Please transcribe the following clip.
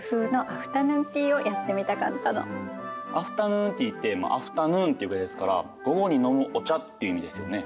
アフタヌーンティーってまあアフタヌーンっていうぐらいですから午後に飲むお茶っていう意味ですよね。